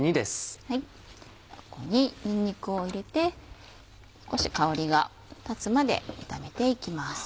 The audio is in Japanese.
ここににんにくを入れて少し香りが立つまで炒めていきます。